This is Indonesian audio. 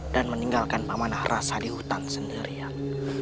dan meninggalkan pamanah rasa di hutan sendirian